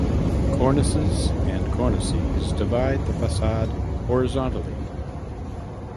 Cornices and Cornices divide the facade horizontally.